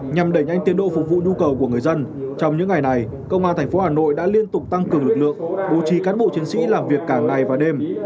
nhằm đẩy nhanh tiến độ phục vụ nhu cầu của người dân trong những ngày này công an tp hà nội đã liên tục tăng cường lực lượng bố trí cán bộ chiến sĩ làm việc cả ngày và đêm